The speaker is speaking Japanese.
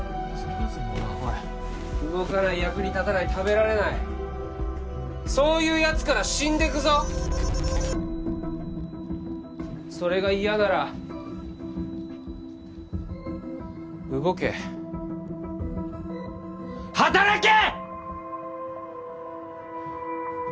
おい動かない役に立たない食べられないそういうやつから死んでくぞそれが嫌なら動け働け！